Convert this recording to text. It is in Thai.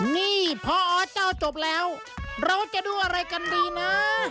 นี่พอเจ้าจบแล้วเราจะดูอะไรกันดีนะ